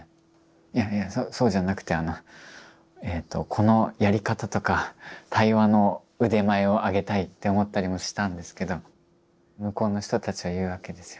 いやいやそうじゃなくてこのやり方とか対話の腕前を上げたいって思ったりもしたんですけど向こうの人たちは言うわけですよ。